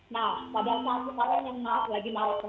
nah padahal malam kemarin yang lagi malam corona